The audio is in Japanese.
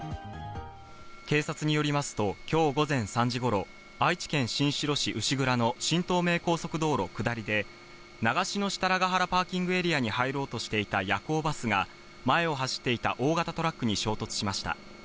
警察によりますと今日午前３時頃、愛知県新城市牛倉の新東名高速道路下りで長篠設楽原パーキングエリアに入ろうとしていた夜行バスが前を走っていた大型トラックに衝突しました。